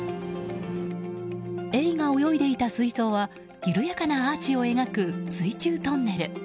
エイが泳いでいた水槽は緩やかなアーチを描く水中トンネル。